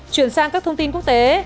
chuyển sang các thông tin quốc tế